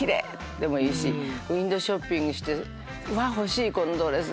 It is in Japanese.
でもいいしウインドーショッピングして欲しいこのドレス！